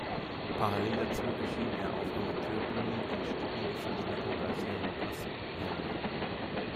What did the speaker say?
Parallel dazu erschien er auf Amateur-Bühnen in Stücken wie Federico García Lorcas "Yerma".